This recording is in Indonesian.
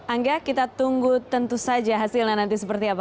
angga kita tunggu tentu saja hasilnya nanti seperti apa